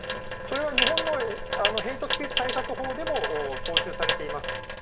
それは日本のヘイトスピーチ対策法でも踏襲されています。